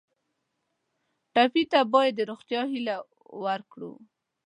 ټپي ته باید د روغتیا هیله ورکړو.